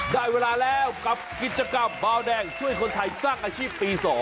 ได้เวลาแล้วกับกิจกรรมบาวแดงช่วยคนไทยสร้างอาชีพปี๒